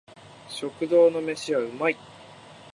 食堂の飯は美味い